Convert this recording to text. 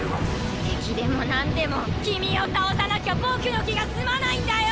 無敵でもなんでも君を倒さなきゃ僕の気が済まないんだよ！